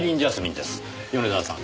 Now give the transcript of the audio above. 米沢さん。